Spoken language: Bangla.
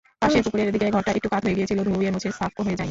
পাশের পুকুরের দিকে ঘরটা একটু কাত হয়ে গিয়েছিল, ধুয়েমুছে সাফ হয়ে যায়নি।